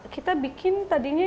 kita bikin tadinya